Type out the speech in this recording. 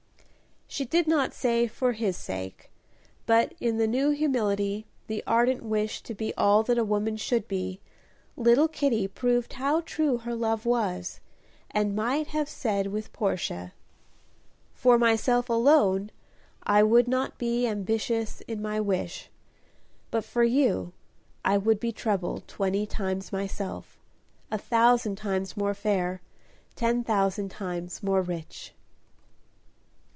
She did not say "for his sake," but in the new humility, the ardent wish to be all that a woman should be, little Kitty proved how true her love was, and might have said with Portia, "For myself alone, I would not be Ambitious in my wish; but, for you, I would be trebled twenty times myself; A thousand times more fair, Ten thousand times more rich."